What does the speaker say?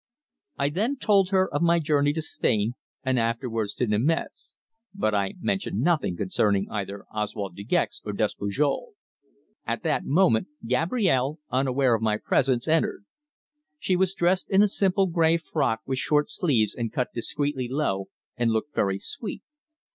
I then told her of my journey to Spain and afterwards to Nîmes. But I mentioned nothing concerning either Oswald De Gex or Despujol. At that moment Gabrielle, unaware of my presence, entered. She was dressed in a simple grey frock with short sleeves and cut discreetly low, and looked very sweet.